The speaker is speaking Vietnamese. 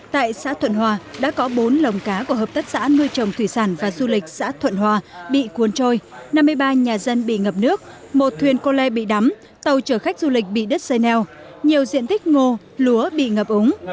tại xã thuận hòa đã có bốn lồng cá của hợp tác xã nuôi trồng thủy sản và du lịch xã thuận hòa bị cuốn trôi năm mươi ba nhà dân bị ngập nước một thuyền cô le bị đắm tàu chở khách du lịch bị đất xây neo nhiều diện tích ngô lúa bị ngập úng